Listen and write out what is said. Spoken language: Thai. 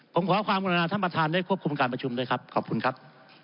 ผมขอความกรุณาท่านประธานได้ควบคุมการประชุมด้วยครับขอบคุณครับ